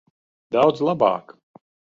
Daudz labāk.